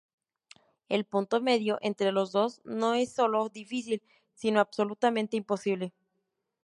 El punto medio entre los dos no es solo difícil, sino absolutamente imposible".